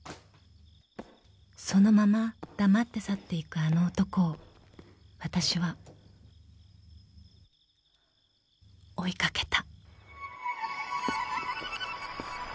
［そのまま黙って去っていくあの男をわたしは追いかけた］